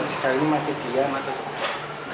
sekarang ini masih diam atau sempat